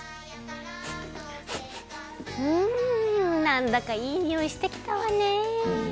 なんだかいいにおいしてきたわね！